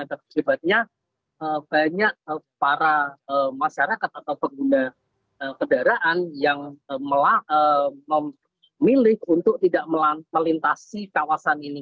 akibatnya banyak para masyarakat atau pengguna kendaraan yang memilih untuk tidak melintasi kawasan ini